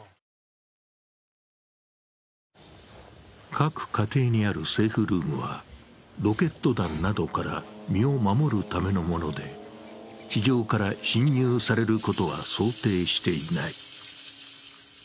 各家庭にあるセーフルームは、ロケット弾などから身を守るためのもので、地上から侵入されることは想定していない。